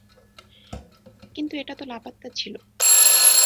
কিন্তু এটা তো লাপাত্তা ছিল!